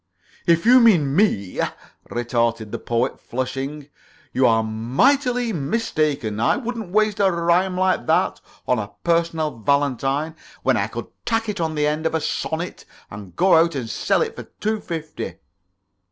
"If you mean me," retorted the Poet, flushing, "you are mightily mistaken. I wouldn't waste a rhyme like that on a personal valentine when I could tack it on to the end of a sonnet and go out and sell it for two fifty."